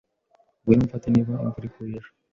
Ngwino umfate niba imvura iguye ejo.